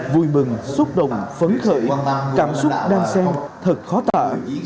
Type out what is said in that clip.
vui mừng xúc động phấn khởi cảm xúc đan xen thật khó tạ